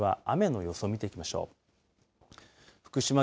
それでは雨の予想見ていきましょう。